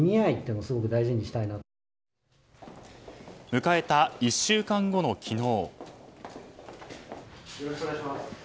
迎えた、１週間後の昨日。